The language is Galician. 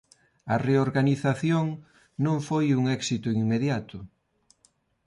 A reorganización non foi un éxito inmediato.